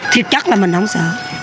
thiệt chắc là mình không sợ